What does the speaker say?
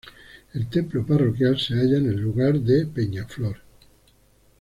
El templo parroquial se halla en el lugar de Peñaflor.